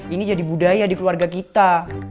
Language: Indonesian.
ini jadi budaya di keluarga kita